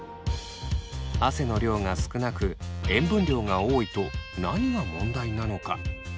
汗の量が少なく塩分量が多いと何が問題なのか？